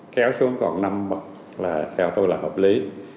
kéo xuống còn năm bậc là theo tôi là hợp lý